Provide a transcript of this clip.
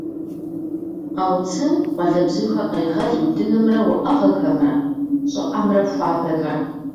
Къэуцым къуалэбзухэр кърегъэл удынымрэ уӏэгъэхэмрэ, щӏыӏэмрэ хуабэмрэ.